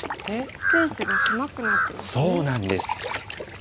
スペースが狭くなってますね。